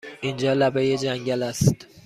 اینجا لبه جنگل است!